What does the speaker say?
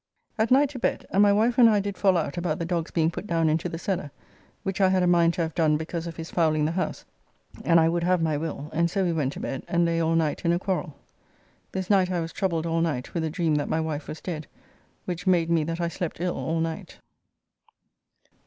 At night to bed, and my wife and I did fall out about the dog's being put down into the cellar, which I had a mind to have done because of his fouling the house, and I would have my will, and so we went to bed and lay all night in a quarrel. This night I was troubled all night with a dream that my wife was dead, which made me that I slept ill all night.